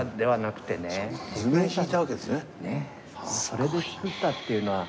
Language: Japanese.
それで造ったっていうのは。